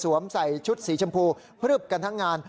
ซวมใส่ชุดสีชมพูพฤบกันทั่งงาน